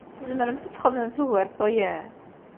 Tzemremt ad txedmemt ugar n waya?